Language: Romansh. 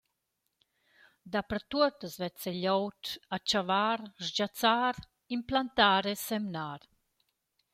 Dapertuot as vezza gleud a chavar, sgiazzar, implantar e semnar.